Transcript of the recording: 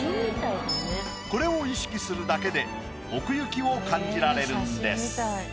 これを意識するだけで奥行きを感じられるんです。